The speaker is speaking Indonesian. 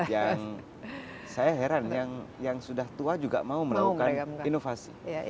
yang saya heran yang sudah tua juga mau melakukan inovasi